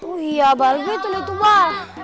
oh iya bal gitu gitu bal